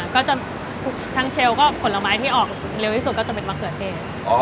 ก็จะทุกทั้งเชลก็ผลไม้ที่ออกเร็วที่สุดก็จะเป็นมะเขือเทศ